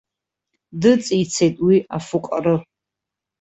Дыҵицеит уи афуҟары.